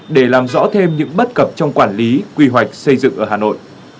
để làm rõ thêm những bất cập trong quản lý quy hoạch xây dựng ở hà nội